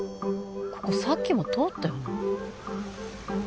ここさっきも通ったよな